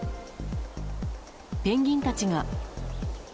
ペンギンたちが。